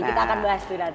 kita akan bahas tuh nanti